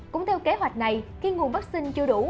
cũng theo kế hoạch này khi nguồn vaccine chưa đủ